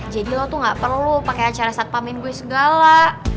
jadi lo tuh gak perlu pakai acara satpamin gue segala